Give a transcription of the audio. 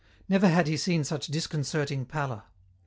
Never had he seen such disconcerting pallor.